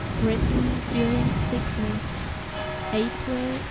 WRITTEN DURING SICKNESS, APRIL, 1845.